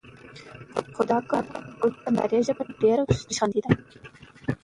ملا يارمحمد هوتک د فقهه په برخه کې د استاد په توګه ونډه لرله.